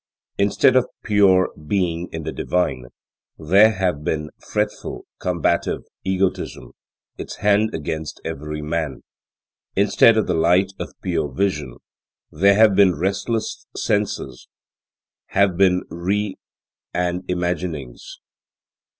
Instead of pure being in the Divine, there has been fretful, combative, egotism, its hand against every man. Instead of the light of pure vision, there have been restless senses nave been re and imaginings.